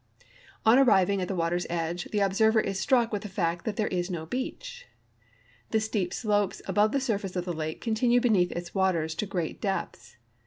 On arriving at the water's edge, the observer is struck with the fact that there is no beach. The steep slopes above the surface of the lake continue beneath its waters to great depths.